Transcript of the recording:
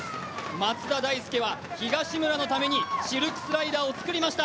松田大介は東村のためにシルクスライダーを作りました。